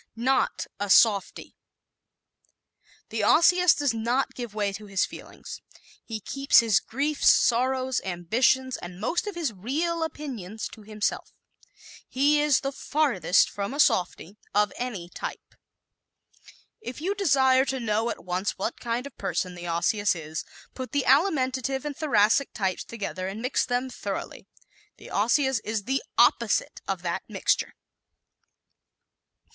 Not a "Softie" ¶ The Osseous does not give way to his feelings. He keeps his griefs, sorrows, ambitions and most of his real opinions to himself. He is the farthest from a "softie" of any type. If you desire to know at once what kind of person the Osseous is, put the Alimentive and Thoracic types together and mix them thoroughly. The Osseous is the opposite of that mixture.